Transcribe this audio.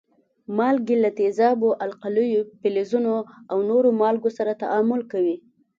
مالګې له تیزابو، القلیو، فلزونو او نورو مالګو سره تعامل کوي.